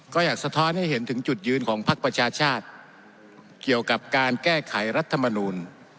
ก็อยากสะท้อนให้เห็นถึงจุดยืนของพักประชาชาติเกี่ยวกับการแก้ไขรัฐมนูล